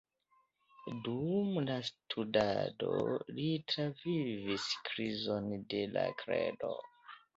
Dum la studado li travivis krizon de la kredo.